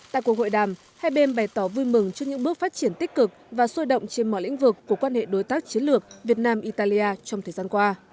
tại cuộc hội đàm hai bên bày tỏ vui mừng trước những bước phát triển tích cực và sôi động trên mọi lĩnh vực của quan hệ đối tác chiến lược việt nam italia trong thời gian qua